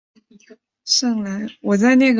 圣莱奥纳尔。